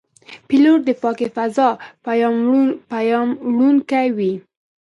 پیلوټ د پاکې فضا پیاموړونکی وي.